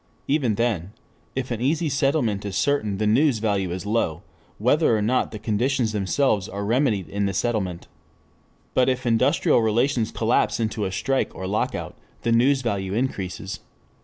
Even then, if an easy settlement is certain the news value is low, whether or not the conditions themselves are remedied in the settlement. But if industrial relations collapse into a strike or lockout the news value increases.